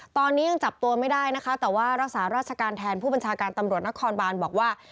ตอนนี้ยังจับตัวไม่ได้นะคะแต่ว่ารักษาราชการแทนผู้บัญชาการตำรวจนครบานบอกว่า